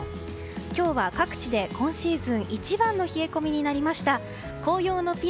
今日は各地で今シーズン一番の冷え込みになりました。